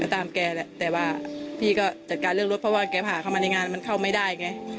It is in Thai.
ตามแกแหละแต่ว่าพี่ก็จัดการเรื่องรถเพราะว่าแกผ่าเข้ามาในงานมันเข้าไม่ได้ไง